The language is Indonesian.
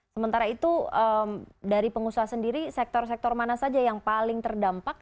sementara itu dari pengusaha sendiri sektor sektor mana saja yang paling terdampak